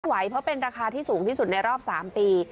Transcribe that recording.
ช่วงสัปดาห์ที่สูงที่สุดในรอบ๓ปี